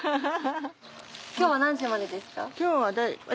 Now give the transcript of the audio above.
今日は何時までですか？